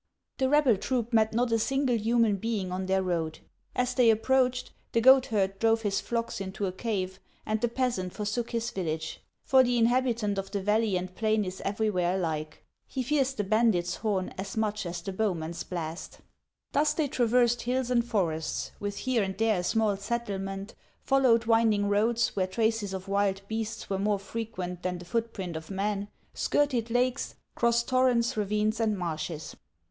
The rebel troop met not a single human being on their road. As they approached, the goat herd drove his flocks into a cave, and the peasant forsook his village ; for the inhabitant of the valley and plain is everywhere alike, — he fears the bandit's horn as much as the bowman's blast. 366 HANS OF ICELAND. Thus they traversed hills and forests, with here and there a small settlement, followed winding roads where traces of wild beasts were more frequent than the foot print of man, skirted lakes, crossed torrents, ravines, and marshes.